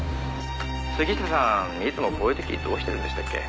「杉下さんいつもこういう時どうしてるんでしたっけ？」